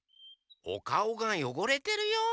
おかおがよごれてるよ。